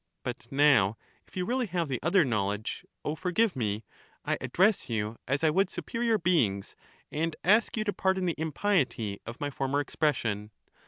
But now if you really have the other knowledge, O forgive me: I address you as I would superior beings, and ask you to pardon the impiety of my former expression.